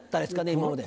今まで。